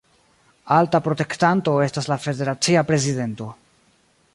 Alta protektanto estas la federacia prezidento.